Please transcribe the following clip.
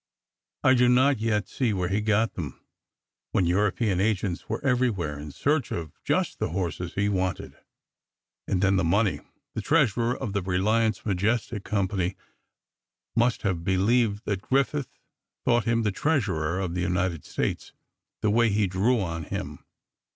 I do not yet see where he got them, when European agents were everywhere in search of just the horses he wanted. And then the money: The treasurer of the Reliance Majestic company must have believed that Griffith thought him the treasurer of the United States, the way he drew on him.